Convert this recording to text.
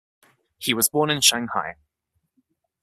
He was born in Shanghai.